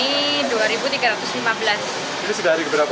ini sudah hari ke berapa